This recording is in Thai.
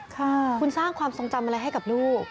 คุณสร้างความทรงจำอะไรให้กับลูก